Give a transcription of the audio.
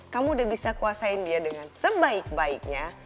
kamu udah bisa kuasain dia dengan sebaik baiknya